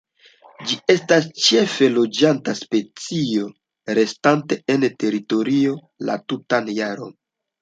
Ĝi estas ĉefe loĝanta specio, restante en teritorio la tutan jaron.